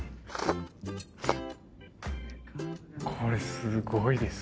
これすごいです。